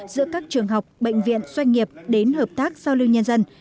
giữa các trường học bệnh viện doanh nghiệp đến hợp tác giao lưu nhân dân